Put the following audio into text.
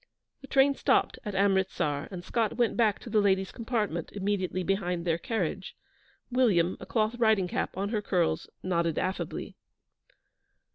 The train stopped at Amritsar, and Scott went back to the ladies' compartment, immediately behind their carriage. William, a cloth riding cap on her curls, nodded affably.